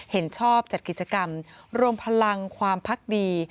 เห็นชอบจัดกิจกรรมรวมพลังความพักดี